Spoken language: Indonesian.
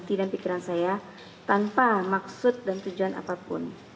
hati dan pikiran saya tanpa maksud dan tujuan apapun